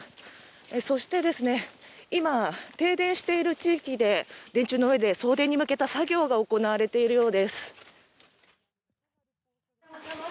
そして今、停電している地域で電柱の上で送電に向けた作業をしているようです。